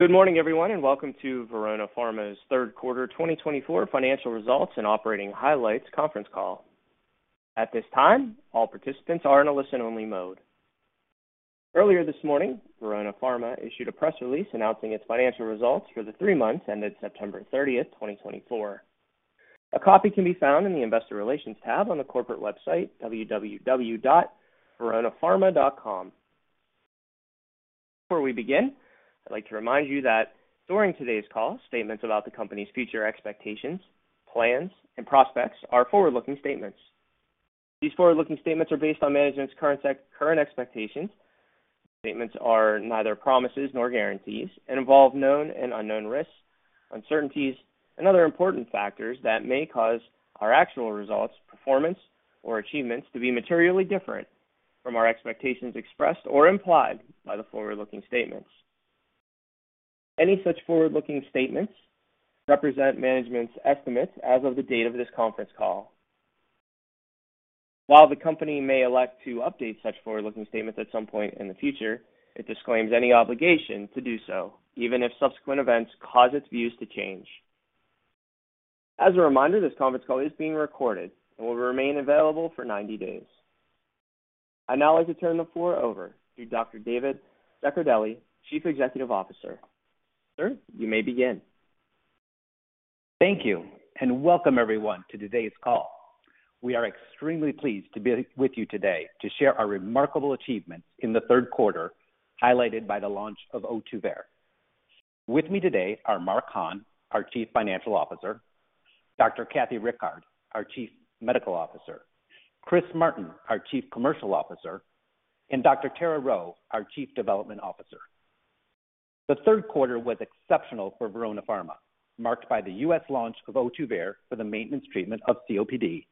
Good morning, everyone, and welcome to Verona Pharma's Q3 2024 Financial Results and Operating Highlights Conference Call. At this time, all participants are in a listen-only mode. Earlier this morning, Verona Pharma issued a press release announcing its financial results for the three months ended September 30, 2024. A copy can be found in the Investor Relations tab on the corporate website, www.veronapharma.com. Before we begin, I'd like to remind you that during today's call, statements about the company's future expectations, plans, and prospects are forward-looking statements. These forward-looking statements are based on management's current expectations. The statements are neither promises nor guarantees and involve known and unknown risks, uncertainties, and other important factors that may cause our actual results, performance, or achievements to be materially different from our expectations expressed or implied by the forward-looking statements. Any such forward-looking statements represent management's estimates as of the date of this conference call. While the company may elect to update such forward-looking statements at some point in the future, it disclaims any obligation to do so, even if subsequent events cause its views to change. As a reminder, this conference call is being recorded and will remain available for 90 days. I now like to turn the floor over to Dr. David Zaccardelli, Chief Executive Officer. Sir, you may begin. Thank you, and welcome, everyone, to today's call. We are extremely pleased to be with you today to share our remarkable achievements in Q3 highlighted by the launch of Ohtuvayre. With me today are Mark Hahn, our Chief Financial Officer, Dr. Kathleen Rickard, our Chief Medical Officer, Chris Martin, our Chief Commercial Officer, and Dr. Tara Rheault, our Chief Development Officer. Q3 was exceptional for Verona Pharma, marked by the U.S. launch of Ohtuvayre for the maintenance treatment of COPD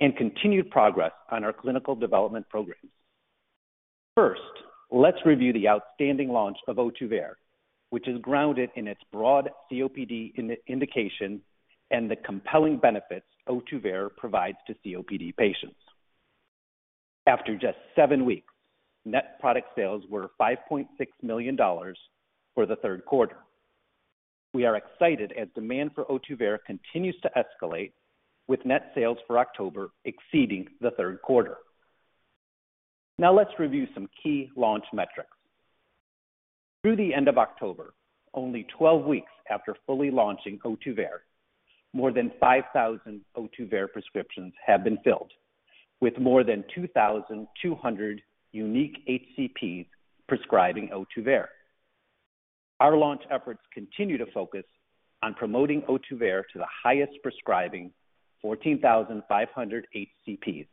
and continued progress on our clinical development programs. First, let's review the outstanding launch of Ohtuvayre, which is grounded in its broad COPD indication and the compelling benefits Ohtuvayre provides to COPD patients. After just seven weeks, net product sales were $5.6 million for Q3. We are excited as demand for Ohtuvayre continues to escalate, with net sales for October exceeding Q3. Now, let's review some key launch metrics. Through the end of October, only 12 weeks after fully launching Ohtuvayre, more than 5,000 Ohtuvayre prescriptions have been filled, with more than 2,200 unique HCPs prescribing Ohtuvayre. Our launch efforts continue to focus on promoting Ohtuvayre to the highest prescribing 14,500 HCPs.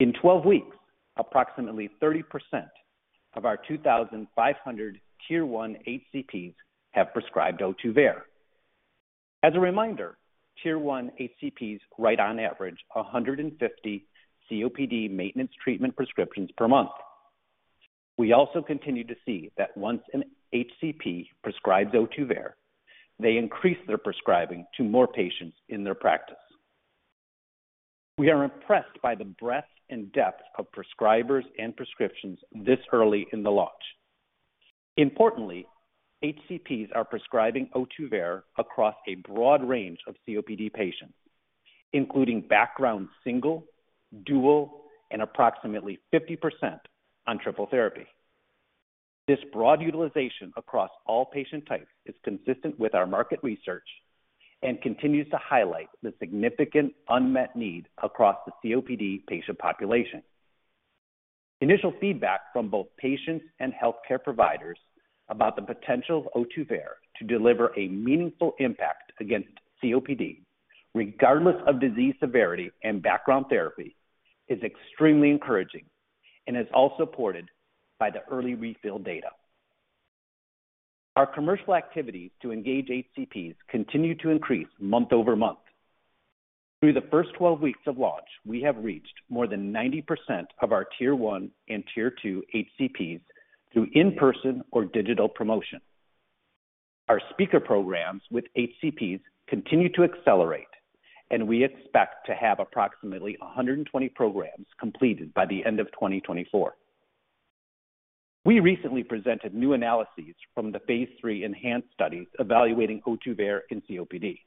In 12 weeks, approximately 30% of our 2,500 tier-one HCPs have prescribed Ohtuvayre. As a reminder, tier-one HCPs write on average 150 COPD maintenance treatment prescriptions per month. We also continue to see that once an HCP prescribes Ohtuvayre, they increase their prescribing to more patients in their practice. We are impressed by the breadth and depth of prescribers and prescriptions this early in the launch. Importantly, HCPs are prescribing Ohtuvayre across a broad range of COPD patients, including background single, dual, and approximately 50% on triple therapy. This broad utilization across all patient types is consistent with our market research and continues to highlight the significant unmet need across the COPD patient population. Initial feedback from both patients and healthcare providers about the potential of Ohtuvayre to deliver a meaningful impact against COPD, regardless of disease severity and background therapy, is extremely encouraging and is all supported by the early refill data. Our commercial activities to engage HCPs continue to increase month over month. Through the first 12 weeks of launch, we have reached more than 90% of our tier-one and tier-two HCPs through in-person or digital promotion. Our speaker programs with HCPs continue to accelerate, and we expect to have approximately 120 programs completed by the end of 2024. We recently presented new analyses from the phase 3 studies evaluating Ohtuvayre in COPD.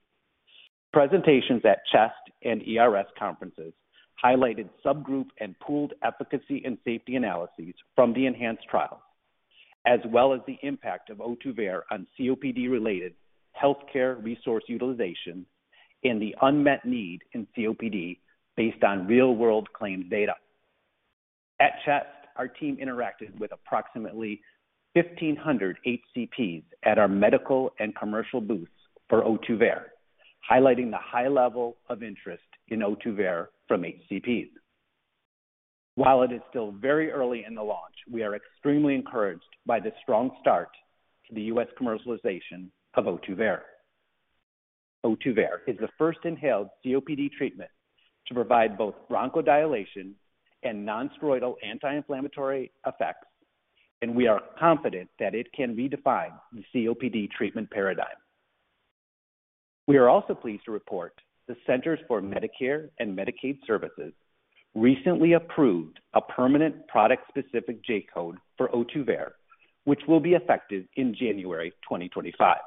Presentations at CHEST and ERS conferences highlighted subgroup and pooled efficacy and safety analyses from the ENHANCE trials, as well as the impact of Ohtuvayre on COPD-related healthcare resource utilization and the unmet need in COPD based on real-world claims data. At CHEST, our team interacted with approximately 1,500 HCPs at our medical and commercial booths for Ohtuvayre, highlighting the high level of interest in Ohtuvayre from HCPs. While it is still very early in the launch, we are extremely encouraged by the strong start to the U.S. commercialization of Ohtuvayre. Ohtuvayre is the first inhaled COPD treatment to provide both bronchodilation and nonsteroidal anti-inflammatory effects, and we are confident that it can redefine the COPD treatment paradigm. We are also pleased to report the Centers for Medicare & Medicaid Services recently approved a permanent product-specific J-code for Ohtuvayre, which will be effective in January 2025.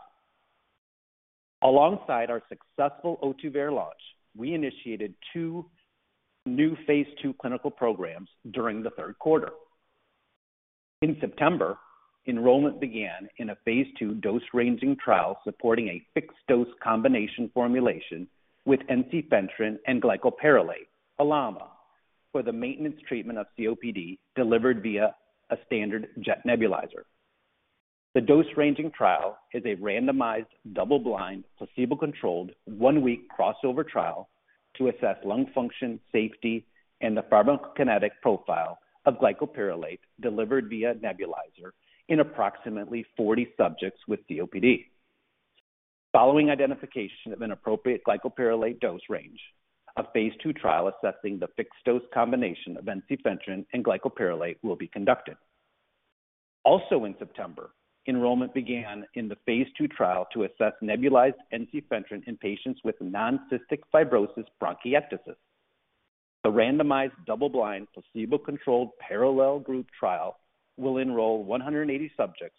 Alongside our successful Ohtuvayre launch, we initiated two new phase two clinical programs during Q3. In September, enrollment began in a phase two dose-ranging trial supporting a fixed-dose combination formulation with ensifentrine and glycopyrrolate (LAMA) for the maintenance treatment of COPD delivered via a standard jet nebulizer. The dose-ranging trial is a randomized double-blind, placebo-controlled one-week crossover trial to assess lung function, safety, and the pharmacokinetic profile of glycopyrrolate delivered via nebulizer in approximately 40 subjects with COPD. Following identification of an appropriate glycopyrrolate dose range, a phase two trial assessing the fixed-dose combination of ensifentrine and glycopyrrolate will be conducted. Also in September, enrollment began in the phase two trial to assess nebulized ensifentrine in patients with non-cystic fibrosis bronchiectasis. The randomized double-blind, placebo-controlled parallel group trial will enroll 180 subjects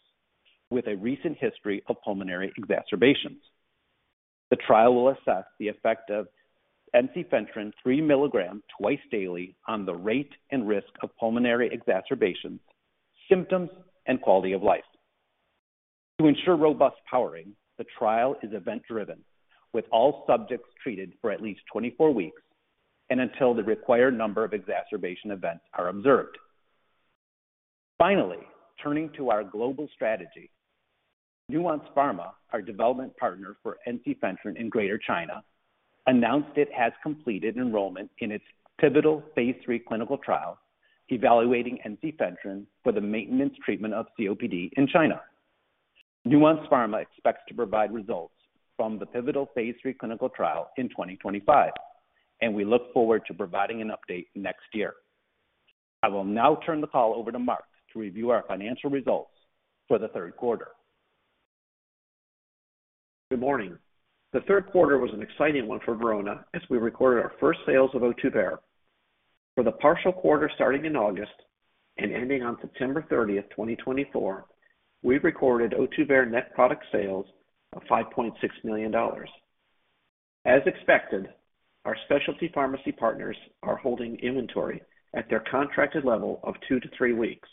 with a recent history of pulmonary exacerbations. The trial will assess the effect of ensifentrine three mg twice daily on the rate and risk of pulmonary exacerbations, symptoms, and quality of life. To ensure robust powering, the trial is event-driven, with all subjects treated for at least 24 weeks and until the required number of exacerbation events are observed. Finally, turning to our global strategy, Nuance Pharma, our development partner for ensifentrine in Greater China, announced it has completed enrollment in its pivotal phase three clinical trial evaluating ensifentrine for the maintenance treatment of COPD in China. Nuance Pharma expects to provide results from the pivotal phase three clinical trial in 2025, and we look forward to providing an update next year. I will now turn the call over to Mark to review our financial results for Q3. Good morning. Q3 was an exciting one for Verona as we recorded our first sales of Ohtuvayre. For the partial quarter starting in August and ending on September 30th, 2024, we recorded Ohtuvayre net product sales of $5.6 million. As expected, our specialty pharmacy partners are holding inventory at their contracted level of two to three weeks.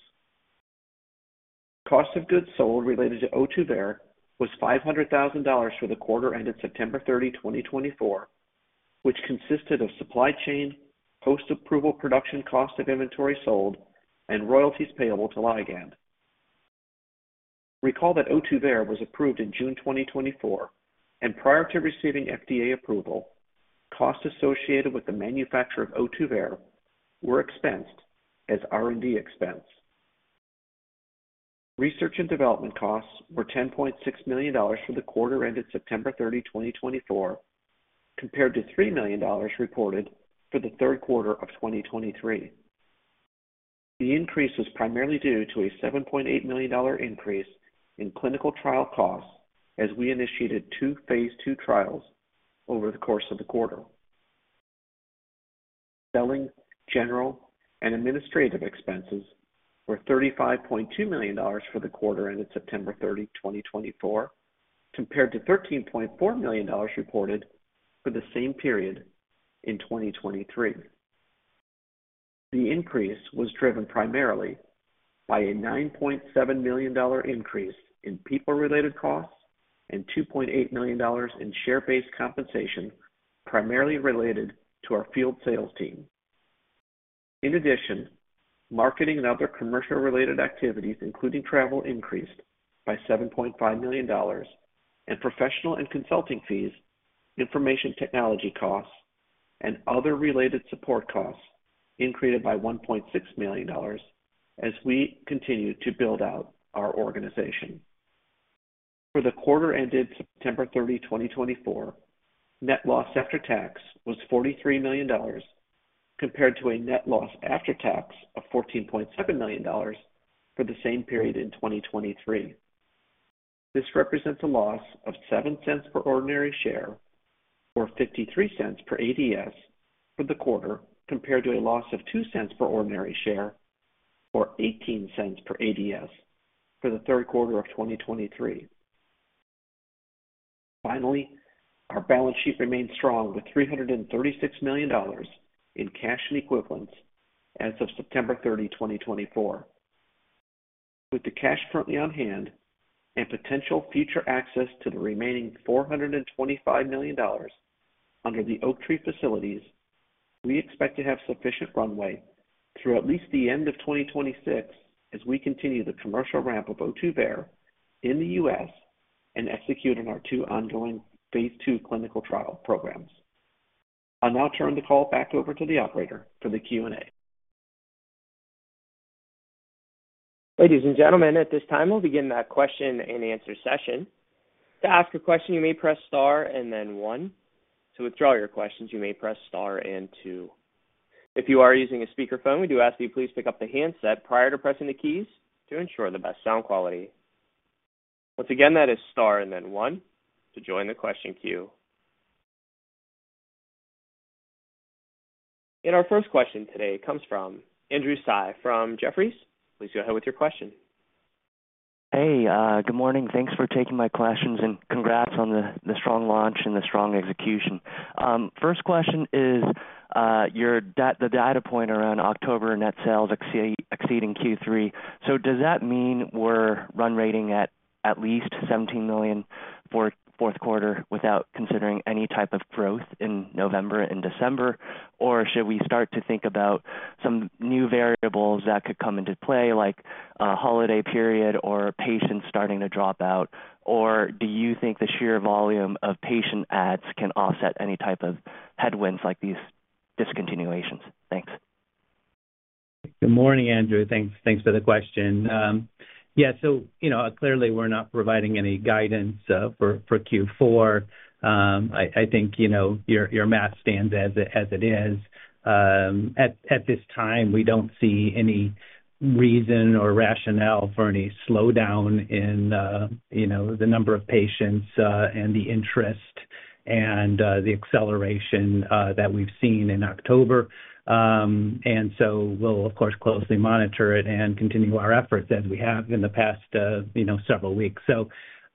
Cost of goods sold related to Ohtuvayre was $500,000 for the quarter ended September 30, 2024, which consisted of supply chain, post-approval production cost of inventory sold, and royalties payable to Ligand. Recall that Ohtuvayre was approved in June 2024, and prior to receiving FDA approval, costs associated with the manufacture of Ohtuvayre were expensed as R&D expense. Research and development costs were $10.6 million for the quarter ended September 30, 2024, compared to $3 million reported for the Q3 of 2023. The increase was primarily due to a $7.8 million increase in clinical trial costs as we initiated two Phase 2 trials over the course of the quarter. Selling, general, and administrative expenses were $35.2 million for the quarter ended September 30, 2024, compared to $13.4 million reported for the same period in 2023. The increase was driven primarily by a $9.7 million increase in people-related costs and $2.8 million in share-based compensation primarily related to our field sales team. In addition, marketing and other commercial-related activities, including travel, increased by $7.5 million, and professional and consulting fees, information technology costs, and other related support costs increased by $1.6 million as we continue to build out our organization. For the quarter ended September 30, 2024, net loss after tax was $43 compared to a net loss after tax of 14.7 million for the same period in 2023. This represents a loss of $0.07 per ordinary share or 0.18 per ADS for the quarter, compared to a loss of $0.02 per ordinary share or 0.18 per ADS for the Q3 of 2023. Finally, our balance sheet remained strong with $336 million in cash and equivalents as of September 30, 2024. With the cash currently on hand and potential future access to the remaining $425 million under the Oaktree facilities, we expect to have sufficient runway through at least the end of 2026 as we continue the commercial ramp of Ohtuvayre in the U.S. and execute on our two ongoing phase 2 clinical trial programs. I'll now turn the call back over to the operator for the Q&A. Ladies and gentlemen, at this time, we'll begin that question and answer session. To ask a question, you may press star and then one. To withdraw your questions, you may press star and two. If you are using a speakerphone, we do ask that you please pick up the handset prior to pressing the keys to ensure the best sound quality. Once again, that is star and then one to join the question queue. And our first question today comes from Andrew Tsai from Jefferies. Please go ahead with your question. Hey, good morning. Thanks for taking my questions and congrats on the strong launch and the strong execution. First question is the data point around October net sales exceeding Q3. So does that mean we're run rating at least $17 million for the Q4 without considering any type of growth in November and December? Or should we start to think about some new variables that could come into play, like a holiday period or patients starting to drop out? Or do you think the sheer volume of patient adds can offset any type of headwinds like these discontinuations? Thanks. Good morning, Andrew. Thanks for the question. Yeah, so clearly, we're not providing any guidance for Q4. I think your math stands as it is. At this time, we don't see any reason or rationale for any slowdown in the number of patients and the interest and the acceleration that we've seen in October. And so we'll, of course, closely monitor it and continue our efforts as we have in the past several weeks. So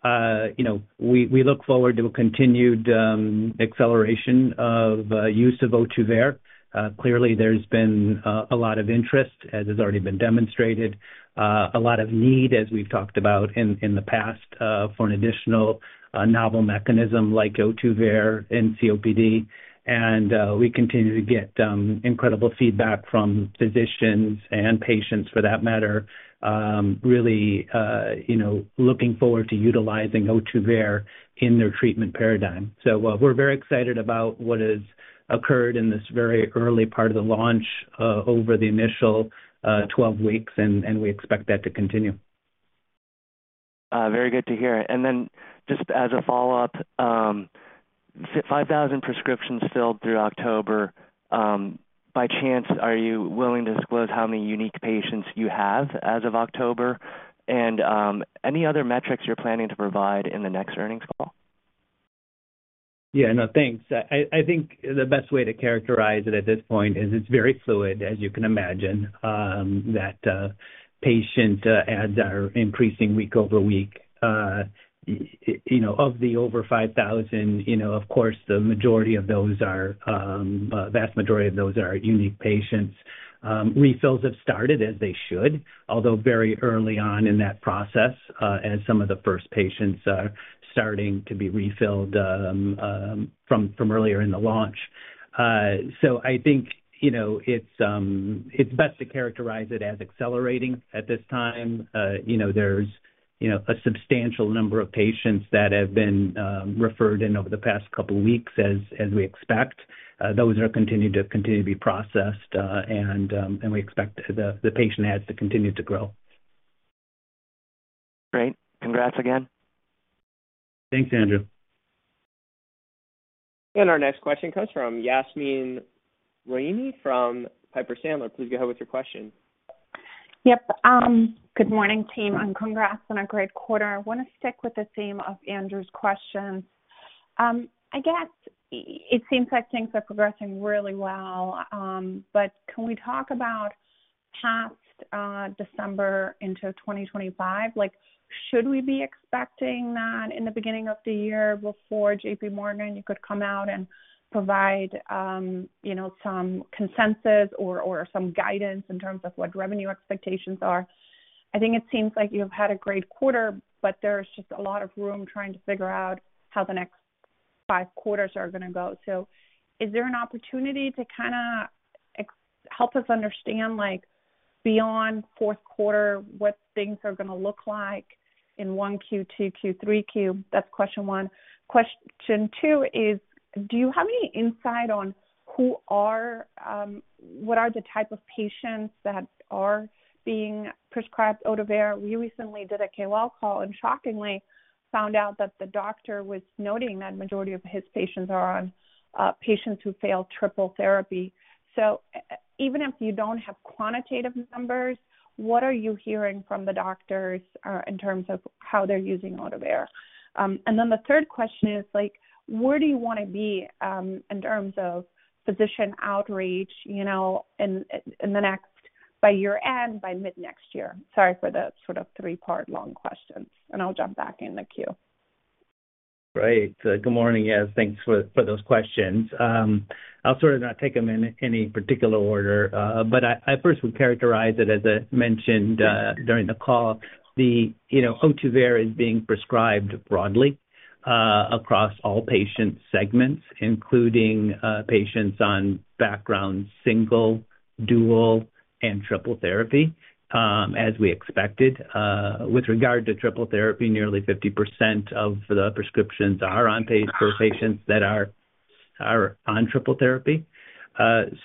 we look forward to a continued acceleration of use of Ohtuvayre. Clearly, there's been a lot of interest, as has already been demonstrated, a lot of need, as we've talked about in the past, for an additional novel mechanism like Ohtuvayre in COPD. And we continue to get incredible feedback from physicians and patients, for that matter, really looking forward to utilizing Ohtuvayre in their treatment paradigm. So we're very excited about what has occurred in this very early part of the launch over the initial 12 weeks, and we expect that to continue. Very good to hear. And then just as a follow-up, 5,000 prescriptions filled through October. By chance, are you willing to disclose how many unique patients you have as of October? And any other metrics you're planning to provide in the next earnings call? Yeah, no, thanks. I think the best way to characterize it at this point is it's very fluid, as you can imagine, that patient adds are increasing week over week. Of the over 5,000, of course, the majority of those are the vast majority of those are unique patients. Refills have started, as they should, although very early on in that process, as some of the first patients are starting to be refilled from earlier in the launch. So I think it's best to characterize it as accelerating at this time. There's a substantial number of patients that have been referred in over the past couple of weeks, as we expect. Those are continuing to be processed, and we expect the patient adds to continue to grow. Great. Congrats again. Thanks, Andrew. Our next question comes from Yasmeen Rahimi from Piper Sandler. Please go ahead with your question. Yep. Good morning, team. Congrats on a great quarter. I want to stick with the theme of Andrew's question. I guess it seems like things are progressing really well, but can we talk about past December into 2025? Should we be expecting that in the beginning of the year before J.P. Morgan, you could come out and provide some consensus or some guidance in terms of what revenue expectations are? I think it seems like you've had a great quarter, but there's just a lot of room trying to figure out how the next five quarters are going to go. So is there an opportunity to kind of help us understand beyond Q4 what things are going to look like in Q1, Q2, Q3? That's question one. Question two is, do you have any insight on what are the type of patients that are being prescribed Ohtuvayre? We recently did a KOL call and shockingly found out that the doctor was noting that the majority of his patients are patients who fail triple therapy. So even if you don't have quantitative numbers, what are you hearing from the doctors in terms of how they're using Ohtuvayre? And then the third question is, where do you want to be in terms of physician outreach in the next by year end, by mid-next year? Sorry for the sort of three-part long questions, and I'll jump back in the queue. Great. Good morning, yes. Thanks for those questions. I'll sort of not take them in any particular order, but I first would characterize it, as I mentioned during the call, the Ohtuvayre is being prescribed broadly across all patient segments, including patients on background single, dual, and triple therapy, as we expected. With regard to triple therapy, nearly 50% of the prescriptions are on patients that are on triple therapy.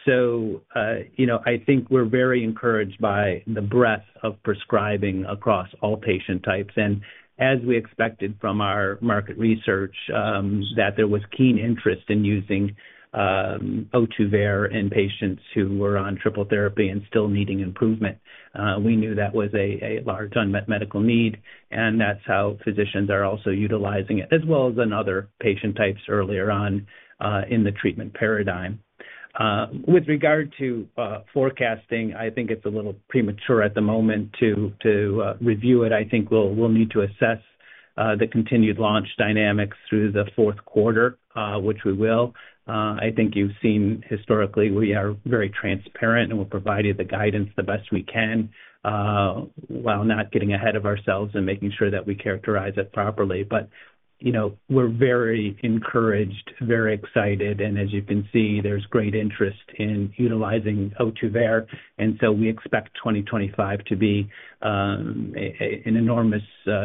So I think we're very encouraged by the breadth of prescribing across all patient types. And as we expected from our market research, that there was keen interest in using Ohtuvayre in patients who were on triple therapy and still needing improvement. We knew that was a large unmet medical need, and that's how physicians are also utilizing it, as well as in other patient types earlier on in the treatment paradigm. With regard to forecasting, I think it's a little premature at the moment to review it. I think we'll need to assess the continued launch dynamics through Q4, which we will. I think you've seen historically we are very transparent and will provide you the guidance the best we can while not getting ahead of ourselves and making sure that we characterize it properly, but we're very encouraged, very excited, and as you can see, there's great interest in utilizing Ohtuvayre, and so we expect 2025 to be an enormous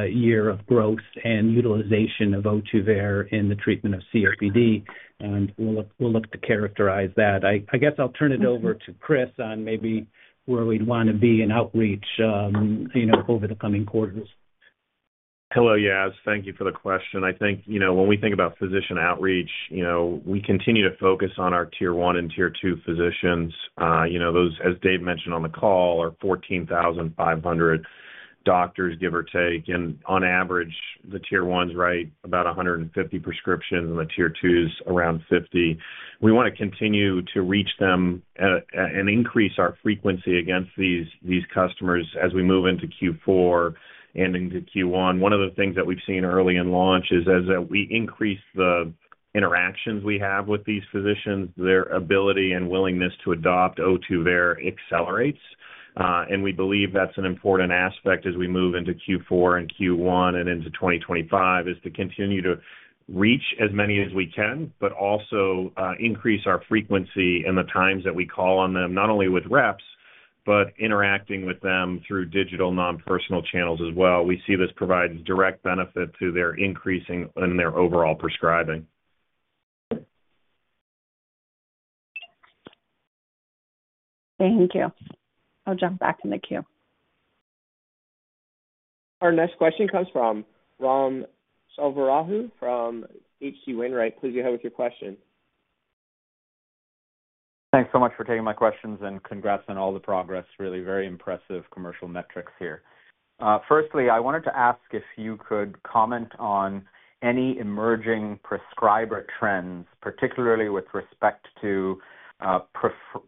year of growth and utilization of Ohtuvayre in the treatment of COPD, and we'll look to characterize that. I guess I'll turn it over to Chris on maybe where we'd want to be in outreach over the coming quarters. Hello, yes. Thank you for the question. I think when we think about physician outreach, we continue to focus on our tier one and tier two physicians. Those, as Dave mentioned on the call, are 14,500 doctors, give or take, and on average, the tier one's right about 150 prescriptions and the tier two's around 50. We want to continue to reach them and increase our frequency against these customers as we move into Q4 and into Q1. One of the things that we've seen early in launch is as we increase the interactions we have with these physicians, their ability and willingness to adopt Ohtuvayre accelerates. We believe that's an important aspect as we move into Q4 and Q1 and into 2025, is to continue to reach as many as we can, but also increase our frequency and the times that we call on them, not only with reps, but interacting with them through digital non-personal channels as well. We see this provides direct benefit to their increasing in their overall prescribing. Thank you. I'll jump back in the queue. Our next question comes from Ram Selvaraju from H.C. Wainwright. Please go ahead with your question. Thanks so much for taking my questions and congrats on all the progress. Really very impressive commercial metrics here. Firstly, I wanted to ask if you could comment on any emerging prescriber trends, particularly with respect to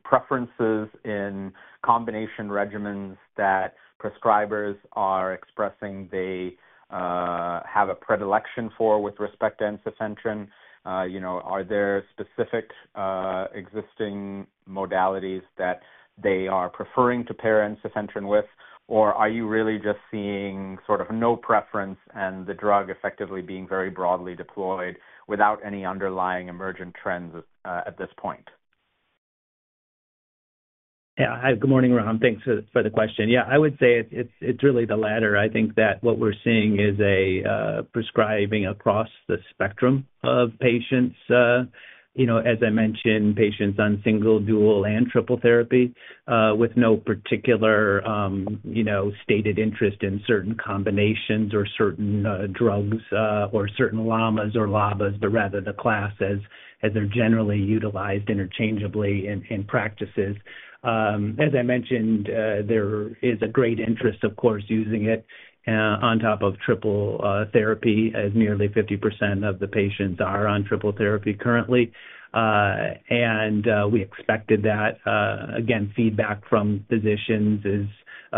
preferences in combination regimens that prescribers are expressing they have a predilection for with respect to ensifentrine. Are there specific existing modalities that they are preferring to pair ensifentrine with, or are you really just seeing sort of no preference and the drug effectively being very broadly deployed without any underlying emergent trends at this point? Yeah. Hi, good morning, Ram. Thanks for the question. Yeah, I would say it's really the latter. I think that what we're seeing is a prescribing across the spectrum of patients. As I mentioned, patients on single, dual, and triple therapy with no particular stated interest in certain combinations or certain drugs or certain LAMAs or LABAs, but rather the class as they're generally utilized interchangeably in practices. As I mentioned, there is a great interest, of course, using it on top of triple therapy, as nearly 50% of the patients are on triple therapy currently. And we expected that, again, feedback from physicians is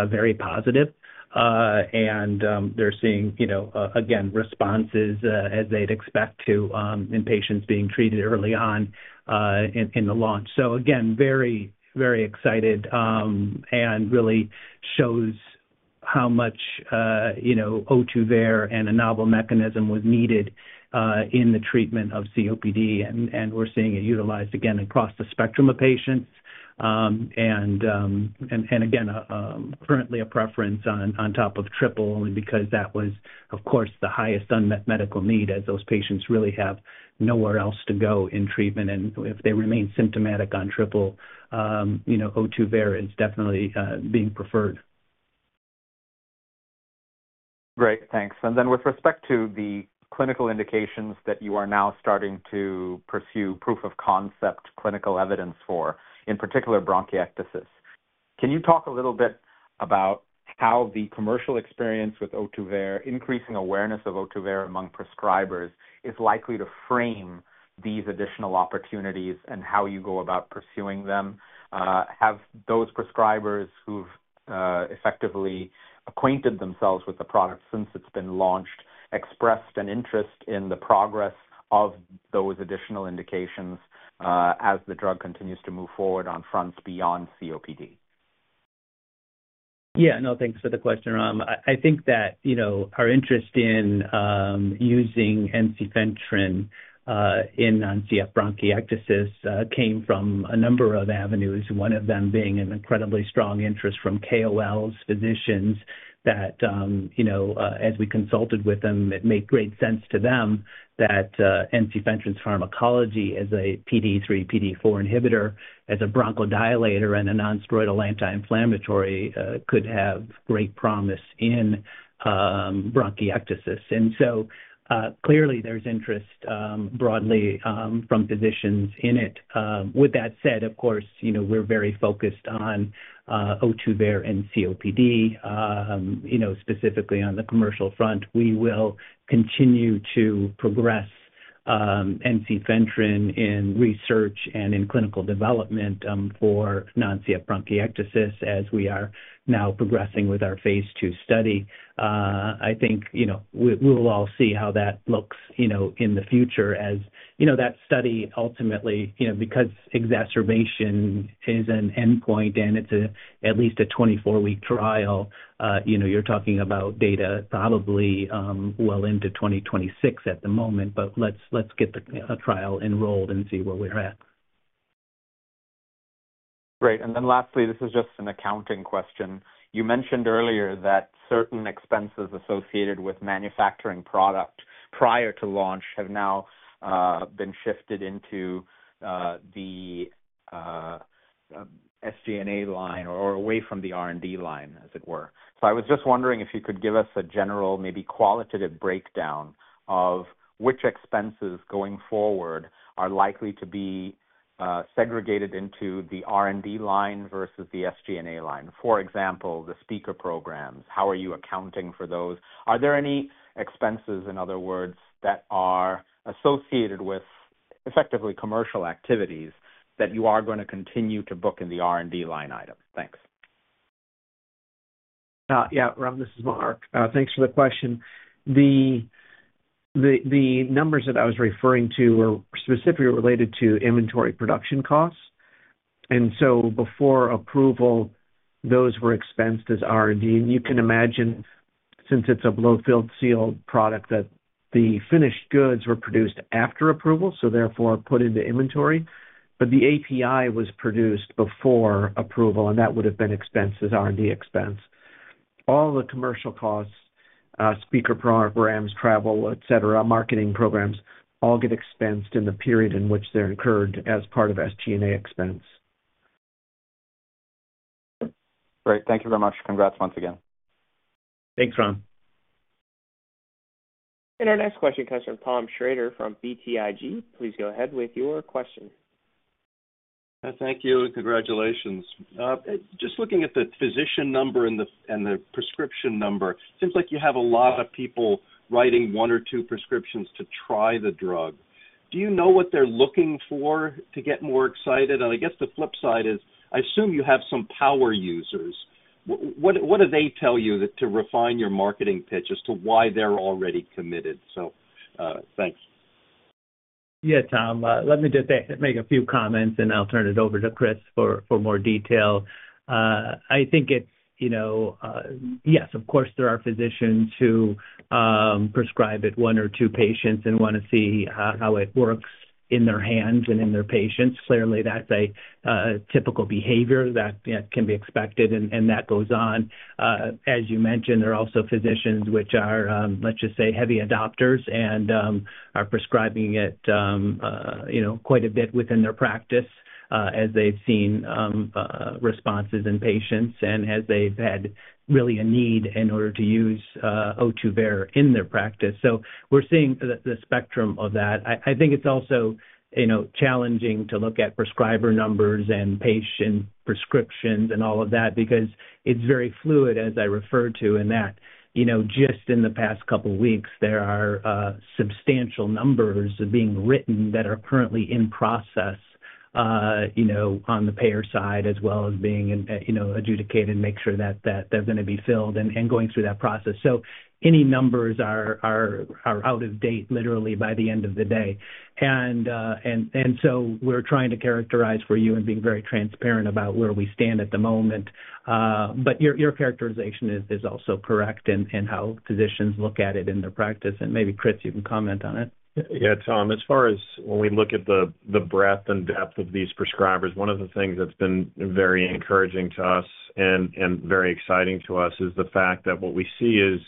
very positive. And they're seeing, again, responses as they'd expect to in patients being treated early on in the launch. So again, very, very excited and really shows how much Ohtuvayre and a novel mechanism was needed in the treatment of COPD. And we're seeing it utilized, again, across the spectrum of patients. And again, currently a preference on top of triple only because that was, of course, the highest unmet medical need, as those patients really have nowhere else to go in treatment. And if they remain symptomatic on triple, Ohtuvayre is definitely being preferred. Great. Thanks. And then with respect to the clinical indications that you are now starting to pursue proof of concept clinical evidence for, in particular, bronchiectasis, can you talk a little bit about how the commercial experience with Ohtuvayre, increasing awareness of Ohtuvayre among prescribers, is likely to frame these additional opportunities and how you go about pursuing them? Have those prescribers who've effectively acquainted themselves with the product since it's been launched expressed an interest in the progress of those additional indications as the drug continues to move forward on fronts beyond COPD? Yeah. No, thanks for the question, Ram. I think that our interest in using ensifentrine in non-CF bronchiectasis came from a number of avenues, one of them being an incredibly strong interest from KOLs, physicians that, as we consulted with them, it made great sense to them that ensifentrine's pharmacology as a PDE3, PDE4 inhibitor, as a bronchodilator, and a non-steroidal anti-inflammatory could have great promise in bronchiectasis, and so clearly, there's interest broadly from physicians in it. With that said, of course, we're very focused on Ohtuvayre in COPD, specifically on the commercial front. We will continue to progress ensifentrine in research and in clinical development for non-CF bronchiectasis as we are now progressing with our phase two study. I think we'll all see how that looks in the future as that study ultimately, because exacerbation is an endpoint and it's at least a 24-week trial. You're talking about data probably well into 2026 at the moment, but let's get the trial enrolled and see where we're at. Great. And then lastly, this is just an accounting question. You mentioned earlier that certain expenses associated with manufacturing product prior to launch have now been shifted into the SG&A line or away from the R&D line, as it were. So I was just wondering if you could give us a general, maybe qualitative breakdown of which expenses going forward are likely to be segregated into the R&D line versus the SG&A line. For example, the speaker programs, how are you accounting for those? Are there any expenses, in other words, that are associated with effectively commercial activities that you are going to continue to book in the R&D line item? Thanks. Yeah. Ram, this is Mark. Thanks for the question. The numbers that I was referring to were specifically related to inventory production costs. And so before approval, those were expensed as R&D. And you can imagine, since it's a blow-fill-seal product, that the finished goods were produced after approval, so therefore put into inventory. But the API was produced before approval, and that would have been expensed as R&D expense. All the commercial costs, speaker programs, travel, etc., marketing programs, all get expensed in the period in which they're incurred as part of SG&A expense. Great. Thank you very much. Congrats once again. Thanks, Rahm. Our next question comes from Tom Schrader from BTIG. Please go ahead with your question. Thank you. And congratulations. Just looking at the physician number and the prescription number, it seems like you have a lot of people writing one or two prescriptions to try the drug. Do you know what they're looking for to get more excited? And I guess the flip side is, I assume you have some power users. What do they tell you to refine your marketing pitch as to why they're already committed? So thanks. Yeah, Tom, let me just make a few comments, and I'll turn it over to Chris for more detail. I think it's, yes, of course, there are physicians who prescribe it one or two patients and want to see how it works in their hands and in their patients. Clearly, that's a typical behavior that can be expected, and that goes on. As you mentioned, there are also physicians which are, let's just say, heavy adopters and are prescribing it quite a bit within their practice as they've seen responses in patients and as they've had really a need in order to use Ohtuvayre in their practice. So we're seeing the spectrum of that. I think it's also challenging to look at prescriber numbers and patient prescriptions and all of that because it's very fluid, as I referred to, in that just in the past couple of weeks, there are substantial numbers being written that are currently in process on the payer side as well as being adjudicated and make sure that they're going to be filled and going through that process. So any numbers are out of date literally by the end of the day. And so we're trying to characterize for you and being very transparent about where we stand at the moment. But your characterization is also correct in how physicians look at it in their practice. And maybe Chris, you can comment on it. Yeah, Tom, as far as when we look at the breadth and depth of these prescribers, one of the things that's been very encouraging to us and very exciting to us is the fact that what we see is,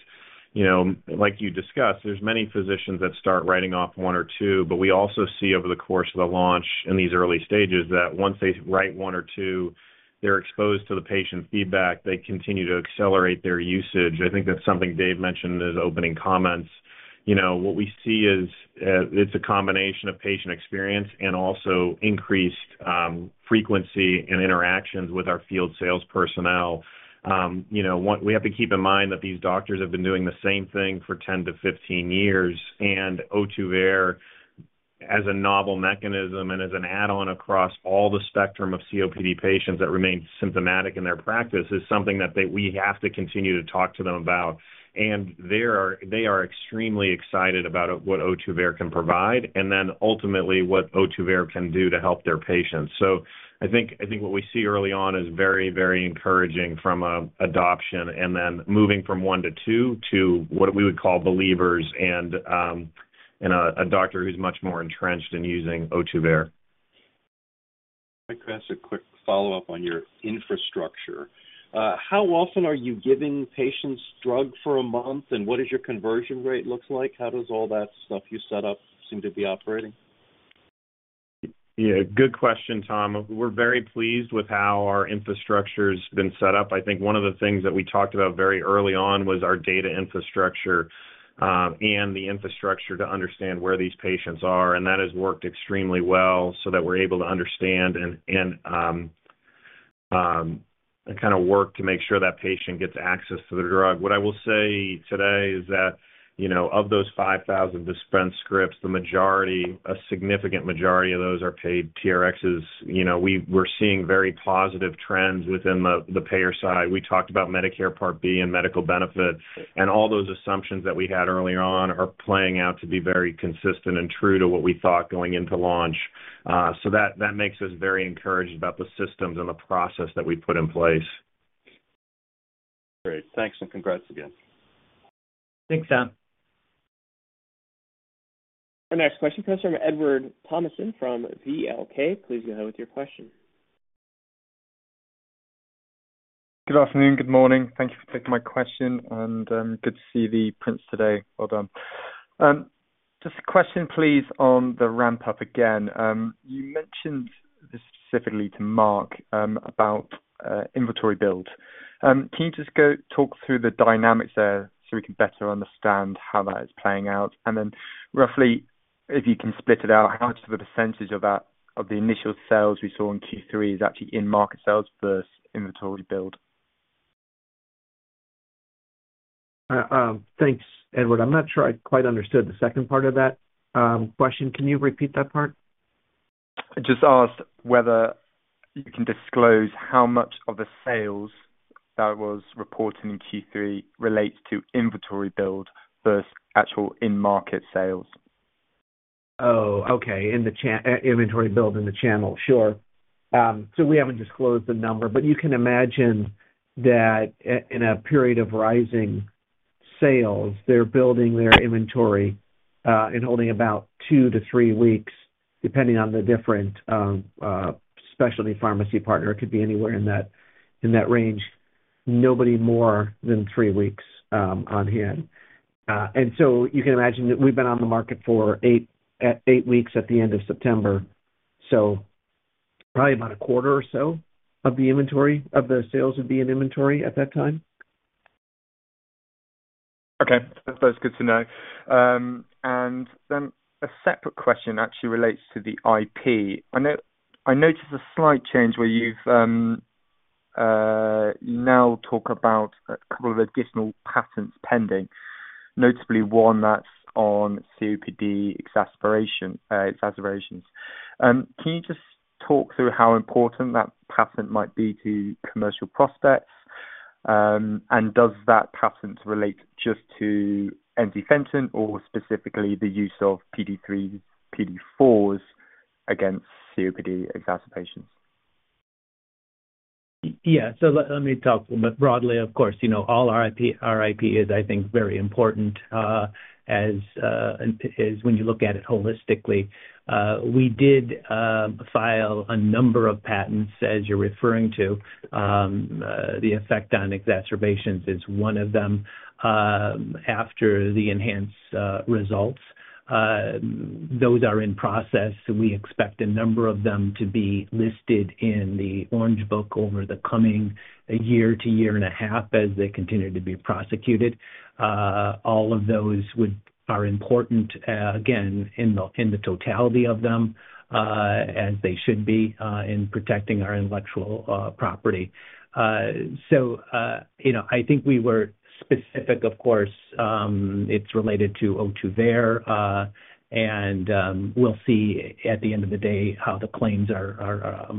like you discussed, there's many physicians that start writing off one or two, but we also see over the course of the launch in these early stages that once they write one or two, they're exposed to the patient feedback, they continue to accelerate their usage. I think that's something Dave mentioned in his opening comments. What we see is it's a combination of patient experience and also increased frequency and interactions with our field sales personnel. We have to keep in mind that these doctors have been doing the same thing for 10 to 15 years. Ohtuvayre, as a novel mechanism and as an add-on across all the spectrum of COPD patients that remain symptomatic in their practice, is something that we have to continue to talk to them about. They are extremely excited about what Ohtuvayre can provide and then ultimately what Ohtuvayre can do to help their patients. I think what we see early on is very, very encouraging from adoption and then moving from one to two to what we would call believers and a doctor who's much more entrenched in using Ohtuvayre. I can ask a quick follow-up on your infrastructure. How often are you giving patients drug for a month, and what does your conversion rate look like? How does all that stuff you set up seem to be operating? Yeah. Good question, Tom. We're very pleased with how our infrastructure has been set up. I think one of the things that we talked about very early on was our data infrastructure and the infrastructure to understand where these patients are. And that has worked extremely well so that we're able to understand and kind of work to make sure that patient gets access to the drug. What I will say today is that of those 5,000 dispensed scripts, the majority, a significant majority of those are paid TRXs. We're seeing very positive trends within the payer side. We talked about Medicare Part B and medical benefit. And all those assumptions that we had early on are playing out to be very consistent and true to what we thought going into launch. So that makes us very encouraged about the systems and the process that we put in place. Great. Thanks. And congrats again. Thanks, Tom. Our next question comes from Edward Thomason from VLK. Please go ahead with your question. Good afternoon. Good morning. Thank you for taking my question. And good to see the prints today. Well done. Just a question, please, on the ramp-up again. You mentioned this specifically to Mark about inventory build. Can you just talk through the dynamics there so we can better understand how that is playing out? And then roughly, if you can split it out, how much of the percentage of the initial sales we saw in Q3 is actually in-market sales versus inventory build? Thanks, Edward. I'm not sure I quite understood the second part of that question. Can you repeat that part? I just asked whether you can disclose how much of the sales that was reported in Q3 relates to inventory build versus actual in-market sales. Oh, okay. Inventory build in the channel. Sure. So we haven't disclosed the number, but you can imagine that in a period of rising sales, they're building their inventory and holding about two to three weeks, depending on the different specialty pharmacy partner. It could be anywhere in that range. Nobody more than three weeks on hand. And so you can imagine that we've been on the market for eight weeks at the end of September. So probably about a quarter or so of the inventory of the sales would be in inventory at that time. Okay. That's good to know. And then a separate question actually relates to the IP. I noticed a slight change where you now talk about a couple of additional patents pending, notably one that's on COPD exacerbations. Can you just talk through how important that patent might be to commercial prospects? And does that patent relate just to ensifentrine or specifically the use of PDE3s, PDE4s against COPD exacerbations? Yeah. So let me talk a little bit broadly. Of course, all our IP is, I think, very important when you look at it holistically. We did file a number of patents, as you're referring to. The effect on exacerbations is one of them after the enhanced results. Those are in process. We expect a number of them to be listed in the Orange Book over the coming year to year and a half as they continue to be prosecuted. All of those are important, again, in the totality of them, as they should be in protecting our intellectual property. So I think we were specific, of course. It's related to Ohtuvayre. And we'll see at the end of the day how the claims are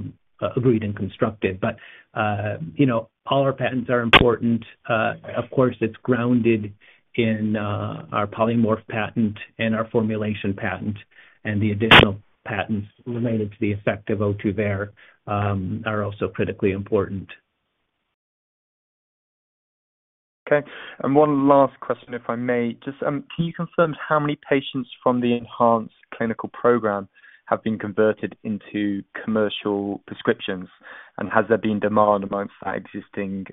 agreed and constructed. But all our patents are important. Of course, it's grounded in our polymorph patent and our formulation patent. The additional patents related to the effect of Ohtuvayre are also critically important. Okay. And one last question, if I may. Just can you confirm how many patients from the enhanced clinical program have been converted into commercial prescriptions? And has there been demand amongst that existing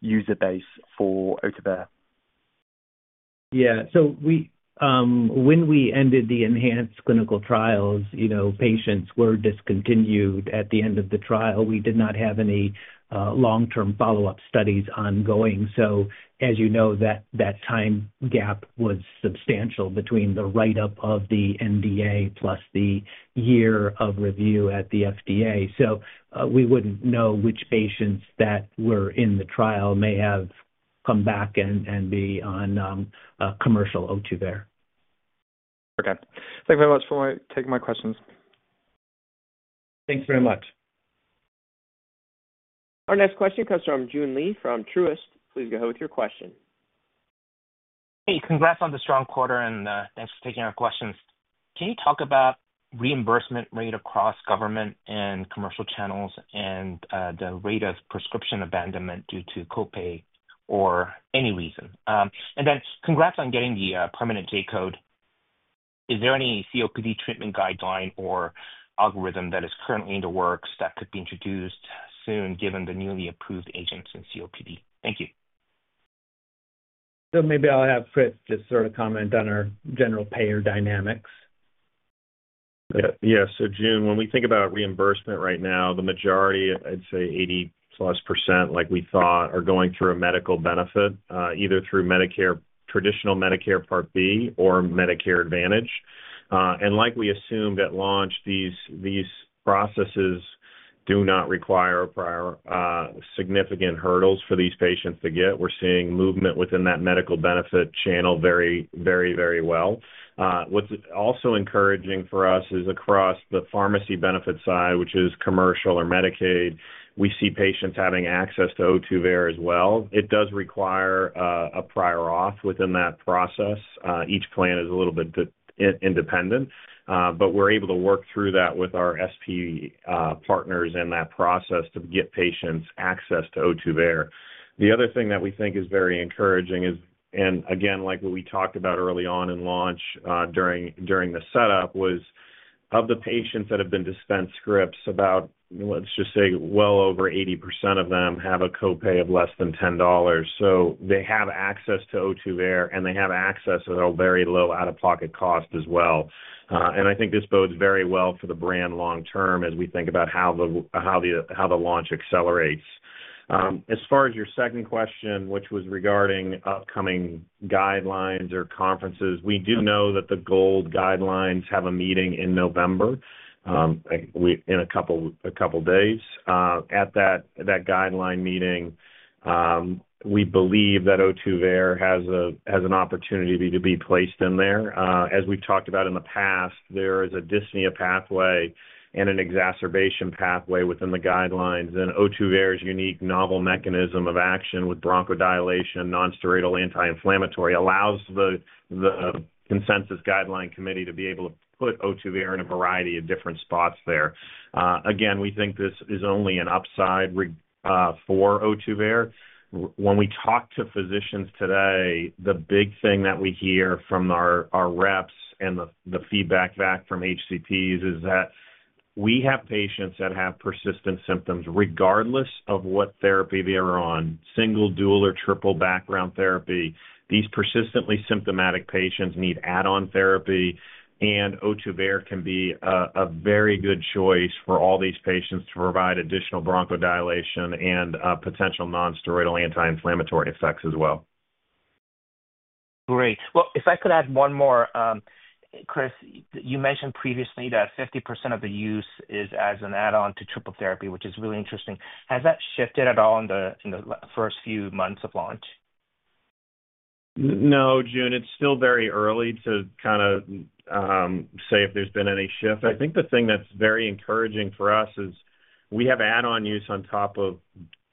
user base for Ohtuvayre? Yeah. So when we ended the ENHANCE clinical trials, patients were discontinued at the end of the trial. We did not have any long-term follow-up studies ongoing, so as you know, that time gap was substantial between the write-up of the NDA plus the year of review at the FDA, so we wouldn't know which patients that were in the trial may have come back and be on commercial Ohtuvayre. Okay. Thank you very much for taking my questions. Thanks very much. Our next question comes from Joon Lee from Truist. Please go ahead with your question. Hey, congrats on the strong quarter. And thanks for taking our questions. Can you talk about reimbursement rate across government and commercial channels and the rate of prescription abandonment due to copay or any reason? And then congrats on getting the permanent J-code. Is there any COPD treatment guideline or algorithm that is currently in the works that could be introduced soon given the newly approved agents in COPD? Thank you. So maybe I'll have Chris just sort of comment on our general payer dynamics. Yeah. So Joon, when we think about reimbursement right now, the majority, I'd say 80+% , like we thought, are going through a medical benefit either through Medicare, traditional Medicare Part B, or Medicare Advantage. And like we assumed at launch, these processes do not require significant hurdles for these patients to get. We're seeing movement within that medical benefit channel very, very, very well. What's also encouraging for us is across the pharmacy benefit side, which is commercial or Medicaid, we see patients having access to Ohtuvayre as well. It does require a prior auth within that process. Each plan is a little bit independent. But we're able to work through that with our SP partners in that process to get patients access to Ohtuvayre. The other thing that we think is very encouraging is, and again, like what we talked about early on in launch during the setup, was of the patients that have been dispensed scripts, let's just say well over 80% of them have a copay of less than $10, so they have access to Ohtuvayre, and they have access at a very low out-of-pocket cost as well, and I think this bodes very well for the brand long-term as we think about how the launch accelerates. As far as your second question, which was regarding upcoming guidelines or conferences, we do know that the GOLD guidelines have a meeting in November in a couple of days. At that guideline meeting, we believe that Ohtuvayre has an opportunity to be placed in there. As we've talked about in the past, there is a dyspnea pathway and an exacerbation pathway within the guidelines. Ohtuvayre's unique novel mechanism of action with bronchodilation, nonsteroidal anti-inflammatory allows the Consensus Guideline Committee to be able to put Ohtuvayre in a variety of different spots there. Again, we think this is only an upside for Ohtuvayre. When we talk to physicians today, the big thing that we hear from our reps and the feedback back from HCPs is that we have patients that have persistent symptoms regardless of what therapy they're on, single, dual, or triple background therapy. These persistently symptomatic patients need add-on therapy. And Ohtuvayre can be a very good choice for all these patients to provide additional bronchodilation and potential nonsteroidal anti-inflammatory effects as well. Great. Well, if I could add one more, Chris, you mentioned previously that 50% of the use is as an add-on to triple therapy, which is really interesting. Has that shifted at all in the first few months of launch? No, Joon. It's still very early to kind of say if there's been any shift. I think the thing that's very encouraging for us is we have add-on use on top of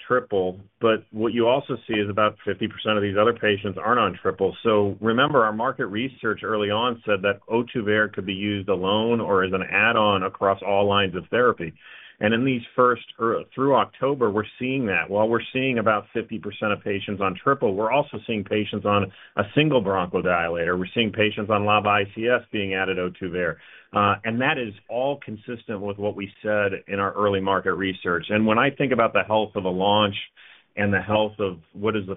triple. But what you also see is about 50% of these other patients aren't on triple. So remember, our market research early on said that Ohtuvayre could be used alone or as an add-on across all lines of therapy. And in these first through October, we're seeing that. While we're seeing about 50% of patients on triple, we're also seeing patients on a single bronchodilator. We're seeing patients on LABA ICS being added Ohtuvayre. And that is all consistent with what we said in our early market research. When I think about the health of the launch and the health of what does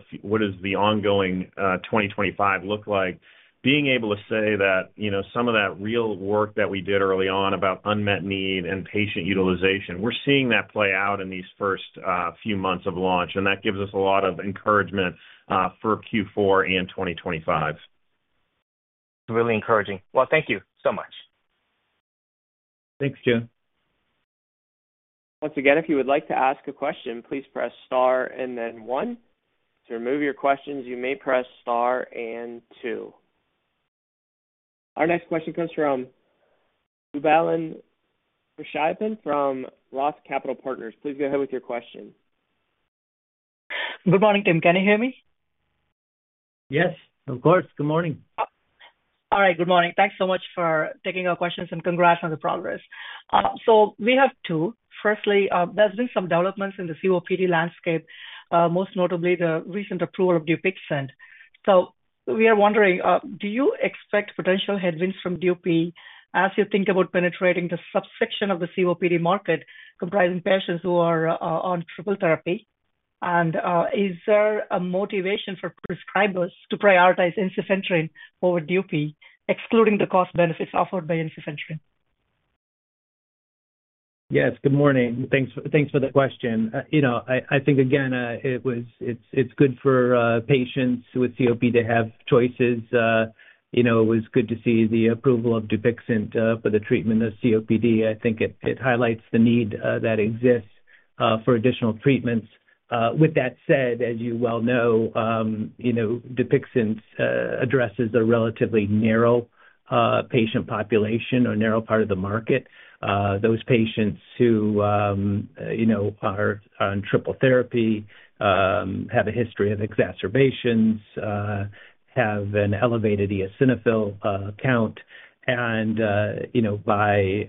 the ongoing 2025 look like, being able to say that some of that real work that we did early on about unmet need and patient utilization, we're seeing that play out in these first few months of launch. That gives us a lot of encouragement for Q4 and 2025. It's really encouraging. Well, thank you so much. Thanks, Joon. Once again, if you would like to ask a question, please press star and then one. To remove your questions, you may press star and two. Our next question comes from Boobalan Pachaiyappan from Roth Capital Partners. Please go ahead with your question. Good morning. Can you hear me? Yes, of course. Good morning. All right. Good morning. Thanks so much for taking our questions and congrats on the progress. We have two. First, there's been some developments in the COPD landscape, most notably the recent approval of Dupixent. We are wondering, do you expect potential headwinds from DUP as you think about penetrating the subsection of the COPD market comprising patients who are on triple therapy? And is there a motivation for prescribers to prioritize ensifentrine over DUP, excluding the cost benefits offered by ensifentrine? Yes. Good morning. Thanks for the question. I think, again, it's good for patients with COPD to have choices. It was good to see the approval of Dupixent for the treatment of COPD. I think it highlights the need that exists for additional treatments. With that said, as you well know, Dupixent addresses a relatively narrow patient population or narrow part of the market. Those patients who are on triple therapy have a history of exacerbations, have an elevated eosinophil count. And by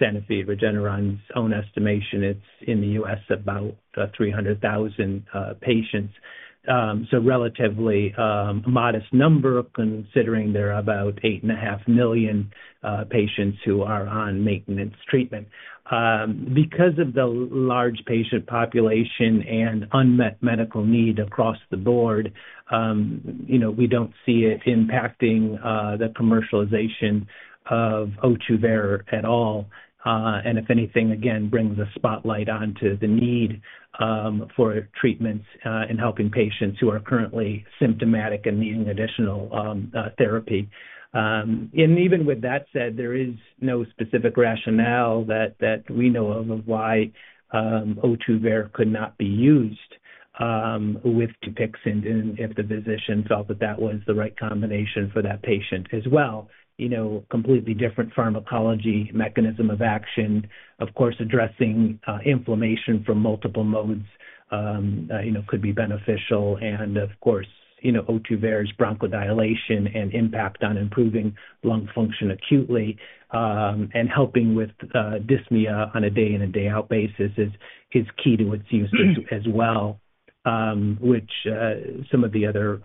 Sanofi and Regeneron's own estimation, it's in the U.S. about 300,000 patients. So relatively modest number considering there are about 8.5 million patients who are on maintenance treatment. Because of the large patient population and unmet medical need across the board, we don't see it impacting the commercialization of Ohtuvayre at all. And if anything, again, brings a spotlight onto the need for treatments in helping patients who are currently symptomatic and needing additional therapy. And even with that said, there is no specific rationale that we know of why Ohtuvayre could not be used with Dupixent if the physician felt that that was the right combination for that patient as well. Completely different pharmacology mechanism of action. Of course, addressing inflammation from multiple modes could be beneficial. And of course, Ohtuvayre's bronchodilation and impact on improving lung function acutely and helping with dyspnea on a day-in and day-out basis is key to its use as well, which some of the other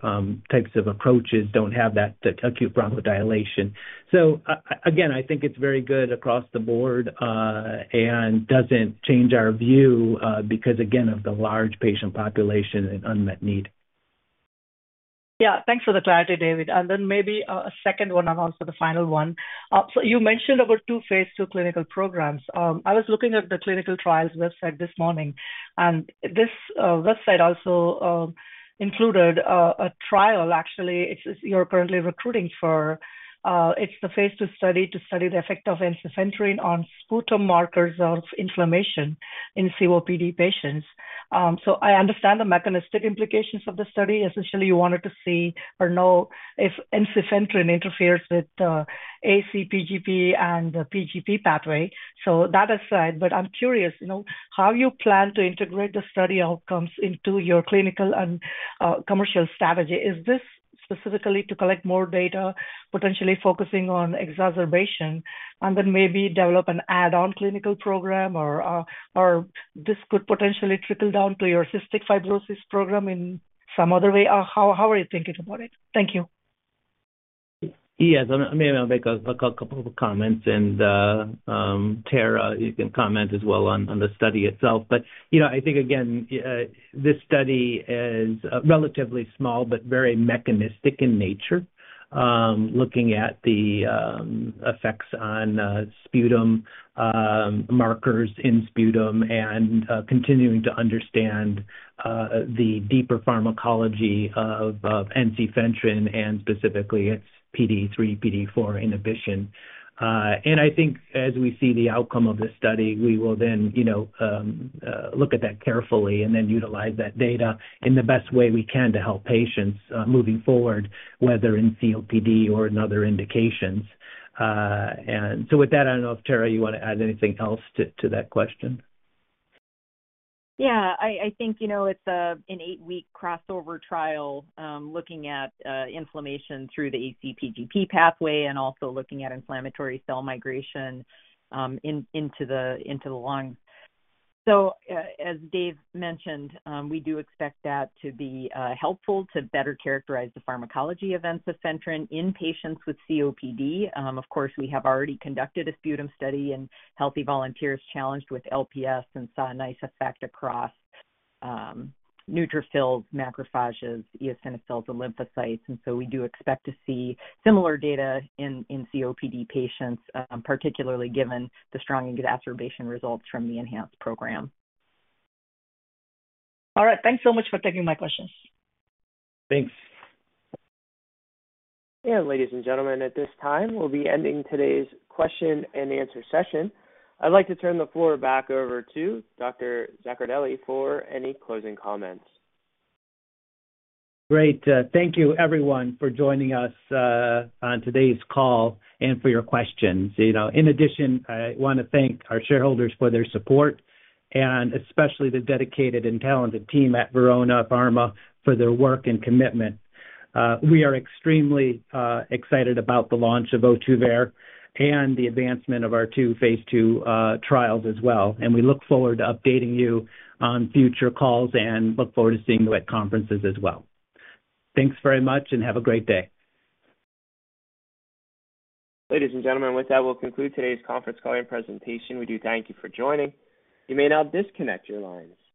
types of approaches don't have that acute bronchodilation. So again, I think it's very good across the board and doesn't change our view because, again, of the large patient population and unmet need. Yeah. Thanks for the clarity, David. And then maybe a second one and also the final one. So you mentioned about two phase two clinical programs. I was looking at the clinical trials website this morning. And this website also included a trial. Actually, you're currently recruiting for. It's the phase two study to study the effect of ensifentrine on systemic markers of inflammation in COPD patients. So I understand the mechanistic implications of the study. Essentially, you wanted to see or know if ensifentrine interferes with the Ac-PGP and the PGP pathway. So that aside, but I'm curious how you plan to integrate the study outcomes into your clinical and commercial strategy. Is this specifically to collect more data, potentially focusing on exacerbation, and then maybe develop an add-on clinical program, or this could potentially trickle down to your cystic fibrosis program in some other way? How are you thinking about it? Thank you. Yes. I mean, I'll make a couple of comments, and Tara, you can comment as well on the study itself. But I think, again, this study is relatively small but very mechanistic in nature, looking at the effects on sputum markers in sputum and continuing to understand the deeper pharmacology of ensifentrine and specifically its PDE3, PDE4 inhibition, and I think as we see the outcome of this study, we will then look at that carefully and then utilize that data in the best way we can to help patients moving forward, whether in COPD or in other indications, and so with that, I don't know if Tara, you want to add anything else to that question. Yeah. I think it's an eight-week crossover trial looking at inflammation through the Ac-PGP pathway and also looking at inflammatory cell migration into the lungs. So as Dave mentioned, we do expect that to be helpful to better characterize the pharmacology of ensifentrine in patients with COPD. Of course, we have already conducted a sputum study in healthy volunteers challenged with LPS and saw a nice effect across neutrophils, macrophages, eosinophils, and lymphocytes. And so we do expect to see similar data in COPD patients, particularly given the strong exacerbation results from the enhanced program. All right. Thanks so much for taking my questions. Thanks. Ladies and gentlemen, at this time, we'll be ending today's question and answer session. I'd like to turn the floor back over to Dr. Zaccardelli for any closing comments. Great. Thank you, everyone, for joining us on today's call and for your questions. In addition, I want to thank our shareholders for their support and especially the dedicated and talented team at Verona Pharma for their work and commitment. We are extremely excited about the launch of Ohtuvayre and the advancement of our two phase two trials as well. And we look forward to updating you on future calls and look forward to seeing you at conferences as well. Thanks very much and have a great day. Ladies and gentlemen, with that, we'll conclude today's conference call and presentation. We do thank you for joining. You may now disconnect your lines.